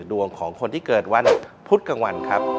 ดวงของคนที่เกิดวันพุธกลางวันครับ